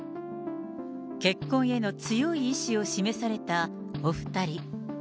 結婚への強い意志を示されたお２人。